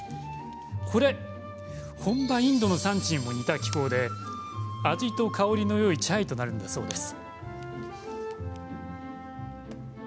これ本場インドの産地にも似た気候で味と香りのよいチャイとなるんだそうです。